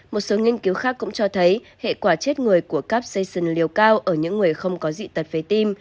một số nghiên cứu khác cũng cho thấy hệ quả chết người của capsion liều cao ở những người không có dị tật về tim